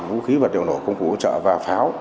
vũ khí vật liệu nổ công cụ hỗ trợ và pháo